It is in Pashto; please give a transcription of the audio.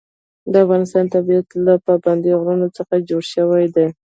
د افغانستان طبیعت له پابندی غرونه څخه جوړ شوی دی.